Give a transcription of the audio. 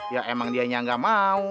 ya emang dia yang nggak mau ya